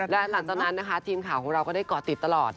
และหลังจากนั้นนะคะทีมข่าวของเราก็ได้ก่อติดตลอด